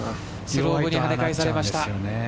スロープにはね返されました。